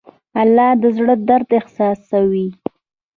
الله د زړه درد احساسوي.